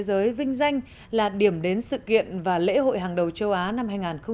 giải thưởng du lịch thế giới vinh danh là điểm đến sự kiện và lễ hội hàng đầu châu á năm hai nghìn một mươi sáu